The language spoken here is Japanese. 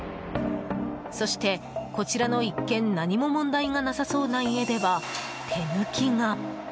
そして、こちらの一見何も問題がなさそうな家では手抜きが。